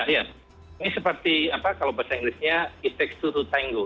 iya ini seperti kalau bahasa inggrisnya it takes two to tango